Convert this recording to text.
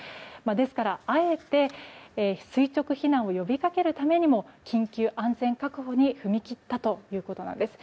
ですから、あえて垂直避難を呼びかけるためにも緊急安全確保に踏み切ったということです。